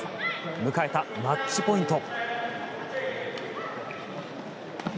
迎えたマッチポイント。